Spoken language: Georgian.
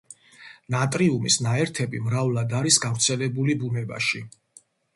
ნატრიუმის ნაერთები მრავლად არის გავრცელებული ბუნებაში.